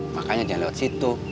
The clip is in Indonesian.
makanya jangan lewat situ